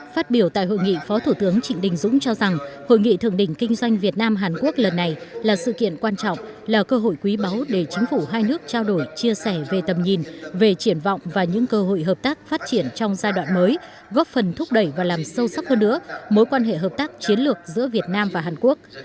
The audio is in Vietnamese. phát biểu tại hội nghị phó thủ tướng trịnh đình dũng cho rằng hội nghị thượng đỉnh kinh doanh việt nam hàn quốc lần này là sự kiện quan trọng là cơ hội quý báu để chính phủ hai nước trao đổi chia sẻ về tầm nhìn về triển vọng và những cơ hội hợp tác phát triển trong giai đoạn mới góp phần thúc đẩy và làm sâu sắc hơn nữa mối quan hệ hợp tác chiến lược giữa việt nam và hàn quốc